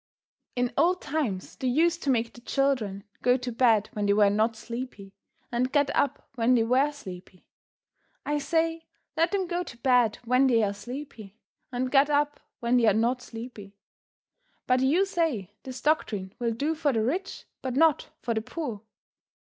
In old times they used to make the children go to bed when they were not sleepy, and get up when they were sleepy. I say let them go to bed when they are sleepy, and get up when they are not sleepy. But you say, this doctrine will do for the rich but not for the poor.